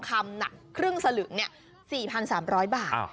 คำนักครึ่งสลึกในตัวนี้๔๓๐๐บาท